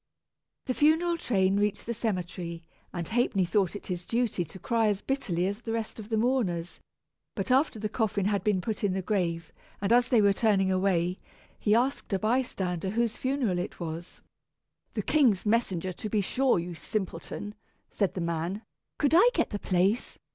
The funeral train reached the cemetery, and Ha'penny thought it his duty to cry as bitterly as the rest of the mourners; but after the coffin had been put in the grave, and as they were turning away, he asked a bystander whose funeral it was. "The king's messenger, to be sure, you simpleton," said the man. "Could I get the place?"